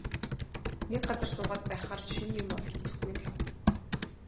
Нэг газар суугаад байхаар шинэ юм олж үзэхгүй нь лав.